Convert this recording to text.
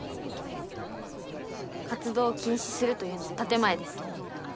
活動を禁止するというのは建て前です